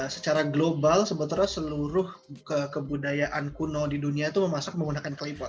secara global sebetulnya seluruh kebudayaan kuno di dunia itu memasak menggunakan klepot